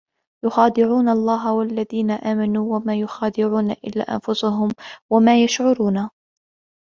يُخَادِعُونَ اللَّهَ وَالَّذِينَ آمَنُوا وَمَا يَخْدَعُونَ إِلَّا أَنْفُسَهُمْ وَمَا يَشْعُرُونَ